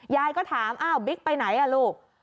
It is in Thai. ยายก็ถามอ้าวบิ๊กไปไหนอ่ะลูก